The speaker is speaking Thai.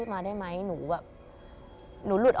ต้องการเสียงขวัส